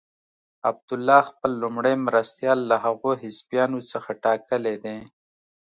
عبدالله خپل لومړی مرستیال له هغو حزبیانو څخه ټاکلی دی.